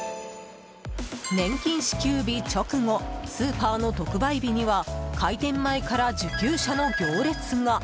年金支給日直後スーパーの特売日には開店前から受給者の行列が。